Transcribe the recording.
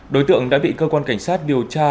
đối tượng đã bị cơ quan cảnh sát điều tra